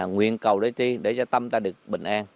nguyện cầu để cho tâm ta được bình an